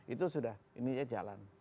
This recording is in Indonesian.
itu sudah ininya jalan